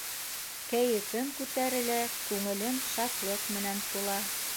Кәйефем күтәрелә, күңелем шатлыҡ менән тула.